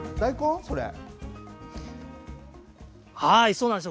そうなんです。